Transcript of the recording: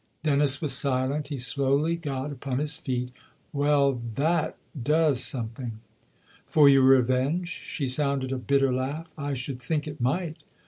Dennis was silent ; he slowly got upon his feet. " Well, that does something." " For your revenge ?" She sounded a bitter laugh. " I should think it might